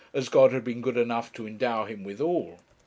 as God had been good enough to endow him withal.